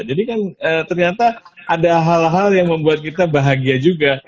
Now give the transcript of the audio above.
jadi kan ternyata ada hal hal yang membuat kita bahagia juga